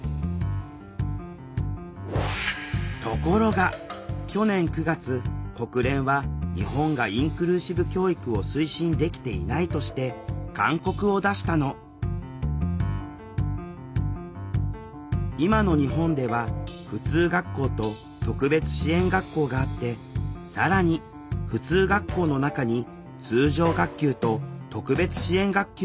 ところが去年９月国連は日本がインクルーシブ教育を推進できていないとして勧告を出したの今の日本では普通学校と特別支援学校があって更に普通学校の中に通常学級と特別支援学級があるの。